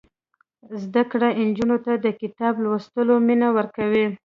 زده کړه نجونو ته د کتاب لوستلو مینه ورکوي.